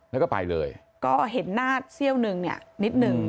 แล้วก็ไปเลยก็เห็นหน้าเซี่ยวหนึ่งเนี่ยนิดนึง